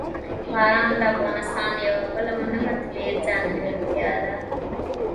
باران د افغانستان یوه بله مهمه طبیعي ځانګړتیا ده.